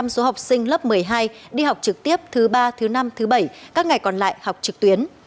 một mươi số học sinh lớp một mươi hai đi học trực tiếp thứ ba thứ năm thứ bảy các ngày còn lại học trực tuyến